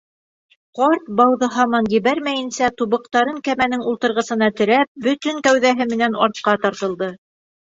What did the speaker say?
Ҡарт, бауҙы һаман ебәрмәйенсә, тубыҡтарын кәмәнең ултырғысына терәп, бөтөн кәүҙәһе менән артҡа тартылды.